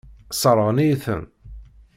Sseṛɣen-iyi-ten.